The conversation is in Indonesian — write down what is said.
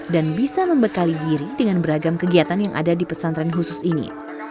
dan bisa membekali diri dengan beragam kegiatan yang ada di pesantren khusus ini